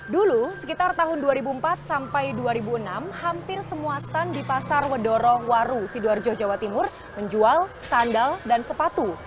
dulu sekitar tahun dua ribu empat sampai dua ribu enam hampir semua stand di pasar wedoro waru sidoarjo jawa timur menjual sandal dan sepatu